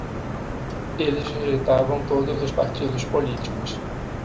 Eles rejeitavam todos os partidos políticos